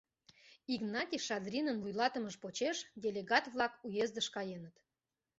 Игнатий Шадринын вуйлатымыж почеш делегат-влак уездыш каеныт.